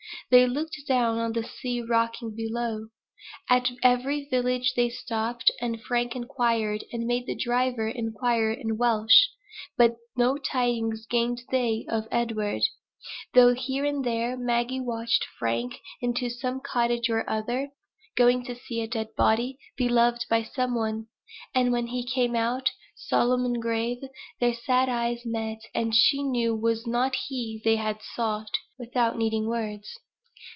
They looked down on the sea rocking below. At every village they stopped, and Frank inquired, and made the driver inquire in Welsh; but no tidings gained they of Edward; though here and there Maggie watched Frank into some cottage or other, going to see a dead body, beloved by some one: and when he came out, solemn and grave, their sad eyes met, and she knew it was not he they sought, without needing words.